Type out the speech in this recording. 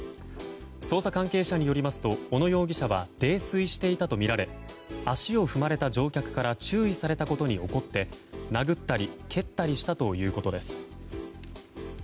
捜査関係者によりますと小野容疑者は泥酔していたとみられ足を踏まれた乗客から注意されたことに怒って殴ったり蹴ったりしたということです。